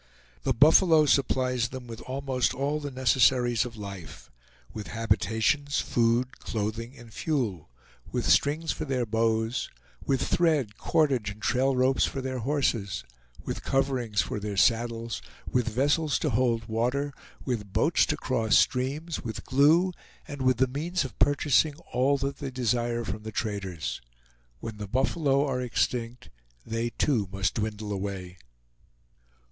The buffalo supplies them with almost all the necessaries of life; with habitations, food, clothing, and fuel; with strings for their bows, with thread, cordage, and trail ropes for their horses, with coverings for their saddles, with vessels to hold water, with boats to cross streams, with glue, and with the means of purchasing all that they desire from the traders. When the buffalo are extinct, they too must dwindle away.